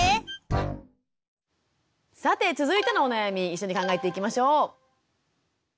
さて続いてのお悩み一緒に考えていきましょう。